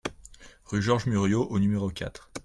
Rue Georges Muriot au numéro quatre